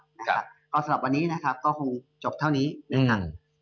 สำหรับวันนี้ก็คงจบเท่านี้เลยค่ะ